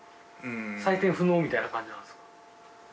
採点不能みたいな感じなんすか？